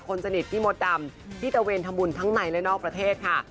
คนสนิทพี่มดดำที่ตะเวนทำบุญทั้งในและนอกประเทศค่ะ